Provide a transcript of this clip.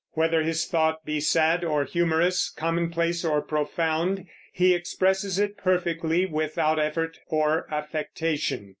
Whether his thought be sad or humorous, commonplace or profound, he expresses it perfectly, without effort or affectation.